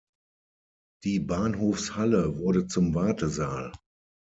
Die Bahnhofshalle wurde zum Wartesaal.